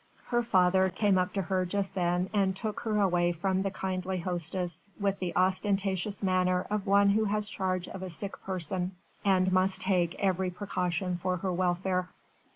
Her father came up to her just then and took her over from the kindly hostess, with the ostentatious manner of one who has charge of a sick person, and must take every precaution for her welfare.